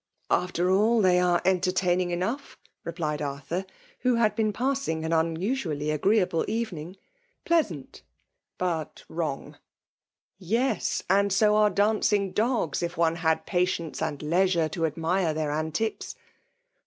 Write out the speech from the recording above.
" After all, they are entertaining enough," replied Arthur, who had been passing an un 174 FEMALE D(»fIKATlON. usually agreeable evening. Pleasant, but wrong." " Yes !— And so are dancing dogs, if one had patience and leisure to admire their antics."